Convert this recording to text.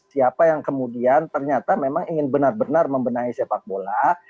siapa yang kemudian ternyata memang ingin benar benar membenahi sepak bola